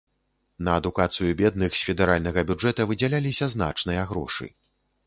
На адукацыю бедных з федэральнага бюджэта выдзяляліся значныя грошы.